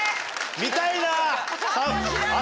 見たいなあ